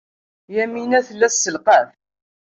Yamina tella tesselqaf.